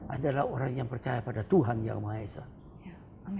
adalah orang yang percaya pada tuhan yang maha esa